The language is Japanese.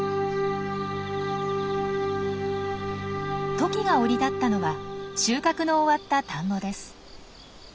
トキが降り立ったのは収穫の終わった田んぼです。